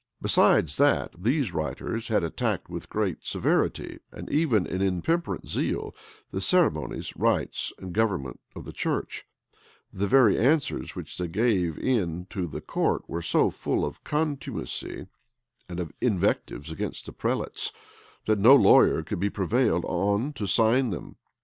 Besides that these writers had attacked with great severity, and even an intemperate zeal, the ceremonies, rites, and government of the church, the very answers which they gave in to the court were so full of contumacy and of invectives against the prelates, that no lawyer could be prevailed on to sign them.